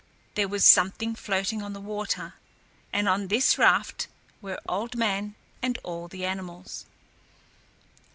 There was something floating on the water, and on this raft were Old Man and all the animals.